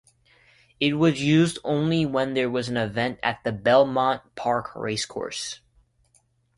It was used only when there was an event at the Belmont Park Racecourse.